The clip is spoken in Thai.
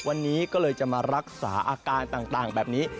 วันนี้ก็เลยจะมารักษาอาการต่างแบบนี้